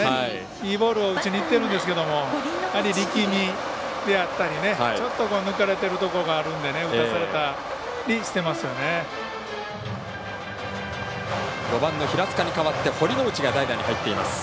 いいボールを打ちにいってるんですが力みであったり抜かれているところがあるんで打たされたりしていますね。